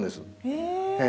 へえ！